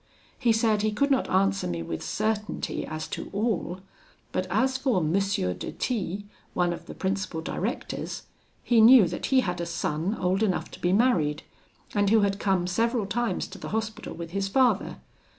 He said he could not answer me with certainty as to all, but as for M. de T , one of the principal directors, he knew that he had a son old enough to be married, and who had come several times to the Hospital with his father.